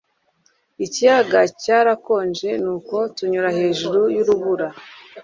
Ikiyaga cyarakonje nuko tunyura hejuru yurubura